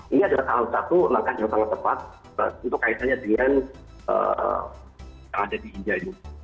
ini adalah salah satu langkah yang sangat tepat untuk kaitannya dengan yang ada di india ini